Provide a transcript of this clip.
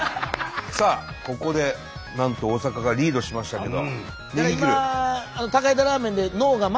さあここでなんと大阪がリードしましたけど。